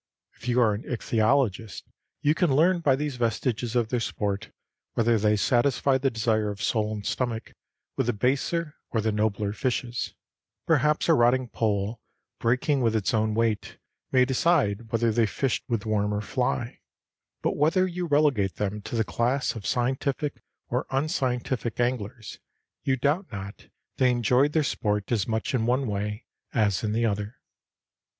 If you are an ichthyologist, you can learn by these vestiges of their sport whether they satisfied the desire of soul and stomach with the baser or the nobler fishes; perhaps a rotting pole, breaking with its own weight, may decide whether they fished with worm or fly; but whether you relegate them to the class of scientific or unscientific anglers, you doubt not they enjoyed their sport as much in one way as in the other.